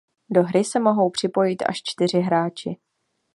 Do hry se mohou připojit až čtyři hráči.